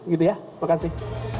gitu ya terima kasih